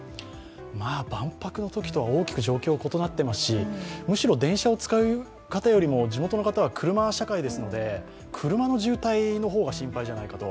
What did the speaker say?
万博のときとは大きく状況は異なっていますし、むしろ電車を使う方よりも地元の方は車社会ですので、車の渋滞の方が心配じゃないかと。